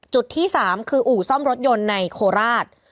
จุดที่๓คืออู่ซ่อมรถยนต์ในโคราช